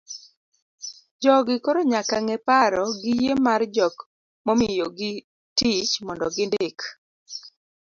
jogi koro nyaka ng'e paro gi yie mar jok momiyogi tich mondo gindik